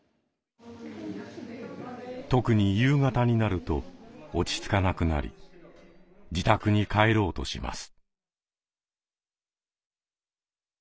特に夕方になると落ち着かなくなり自宅に帰ろうとします。